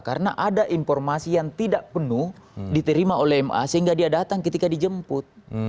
karena ada informasi yang tidak penuh diterima oleh ma sehingga dia datang ketika dijemput